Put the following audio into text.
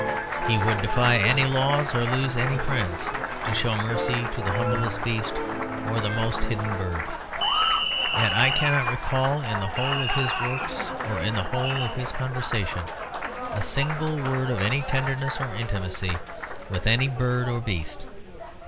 He would defy any laws or lose any friends to show mercy to the humblest beast or the most hidden bird. Yet I cannot recall in the whole of his works or in the whole of his conversation a single word of any tenderness or intimacy with any bird or beast.